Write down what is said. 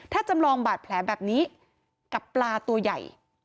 ถ้าจำลองบาดแผลแบบนี้กับปลาตัวใหญ่